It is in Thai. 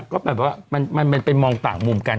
ก็แบบว่ามันไปมองต่างมุมกัน